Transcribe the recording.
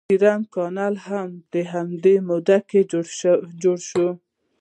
ایري کانال هم په همدې موده کې جوړ شو.